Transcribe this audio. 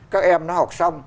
các em nó học xong